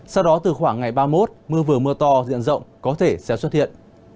sau đó từ khoảng ngày ba mươi một mưa vừa mưa to diện rộng có thể sẽ xuất hiện